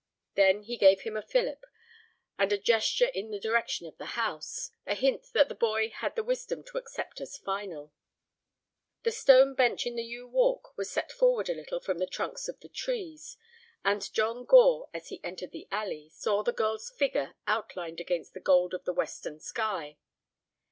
Then he gave him a fillip, and a gesture in the direction of the house, a hint that the boy had the wisdom to accept as final. The stone bench in the yew walk was set forward a little from the trunks of the trees, and John Gore, as he entered the alley, saw the girl's figure outlined against the gold of the western sky.